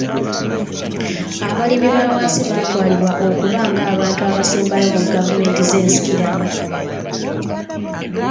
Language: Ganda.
Abalimi b'awansi baatwalibwa okuba ng'abantu abasembayo mu gavumenti z'ensikirano.